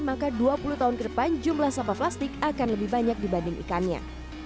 maka dua puluh tahun ke depan jumlah sampah plastik akan lebih banyak dibanding ikannya